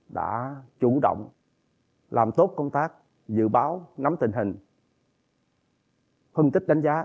đã chủ động làm tốt công tác dự báo nắm tình hình phân tích đánh giá